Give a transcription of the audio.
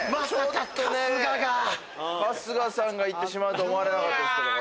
春日さんがいってしまうとは思わなかったですけども。